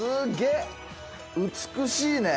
美しいね。